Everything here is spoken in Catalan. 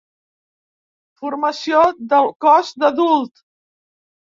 Formació del cos d'adult.